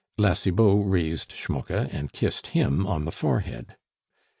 La Cibot raised Schmucke and kissed him on the forehead.